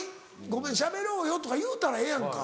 「ごめんしゃべろうよ」とか言うたらええやんか。